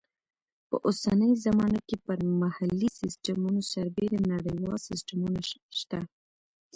په اوسنۍ زمانه کې پر محلي سیسټمونو سربیره نړیوال سیسټمونه شته.